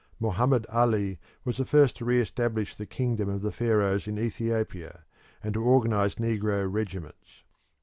Mohammed Ali was the first to re establish the kingdom of the Pharaohs in Ethiopia, and to organise negro regiments.